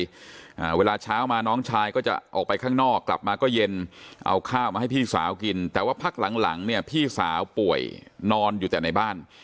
อ่าเวลาเช้ามาน้องชายก็จะออกไปข้างนอกกลับมาก็เย็นเอาข้าวมาให้พี่สาวกินแต่ว่าพักหลังหลังเนี่ยพี่สาวป่วยนอนอยู่แต่ในบ้าน